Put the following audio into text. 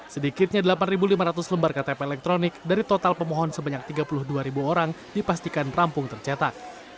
sedikitnya delapan lima ratus lembar ktp elektronik dari total pemohon sebanyak tiga puluh dua orang dipastikan rampung tercetak